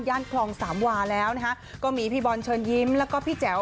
คลองสามวาแล้วนะคะก็มีพี่บอลเชิญยิ้มแล้วก็พี่แจ๋ว